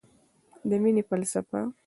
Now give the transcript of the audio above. د مینې فلسفه